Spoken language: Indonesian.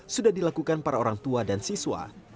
sudah dilakukan para orang tua dan siswa